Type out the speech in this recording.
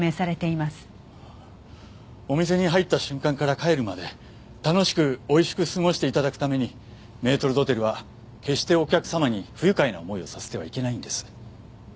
お店に入った瞬間から帰るまで楽しく美味しく過ごして頂くためにメートル・ドテルは決してお客様に不愉快な思いをさせてはいけないんです。